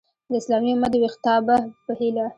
د اسلامي امت د ویښتابه په هیله!